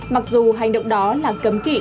mặc dù hành động đó là cấm kỷ